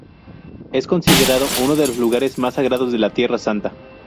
Es considerado uno de los lugares más sagrados de Tierra Santa.